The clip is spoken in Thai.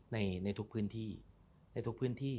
ในทุกพื้นที่